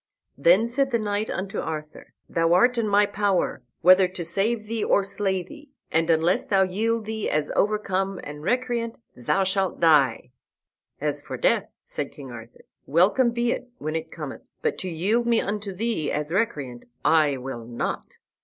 Then said the knight unto Arthur, "Thou art in my power, whether to save thee or slay thee, and unless thou yield thee as overcome and recreant, thou shalt die." "As for death," said King Arthur, "welcome be it when it cometh; but to yield me unto thee as recreant, I will not."